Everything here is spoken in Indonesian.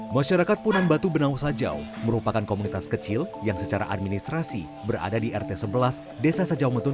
masyarakat punan batu benau sajau merupakan komunitas kecil yang secara administrasi berada di rt sebelas desa sajau metun